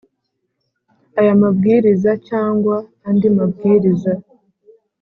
Aya mabwiriza cyangwa andi mabwiriza